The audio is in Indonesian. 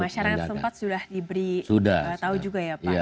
masyarakat sempat sudah diberi tahu juga ya pak